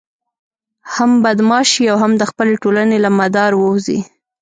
هم بدماش شي او هم د خپلې ټولنې له مدار ووزي.